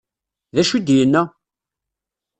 D acu i d-yenna?